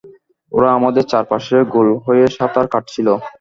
ওরা আমাদের চারপাশে গোল হয়ে সাঁতার কাটছিল।